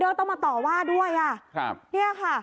นี่ค่ะ